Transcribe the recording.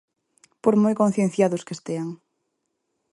Por moi concienciados que estean.